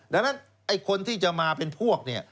ดังนั้นไอ้คนที่จะมาเป็นพวกเนี่ย